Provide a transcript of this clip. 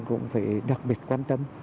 cũng phải đặc biệt quan tâm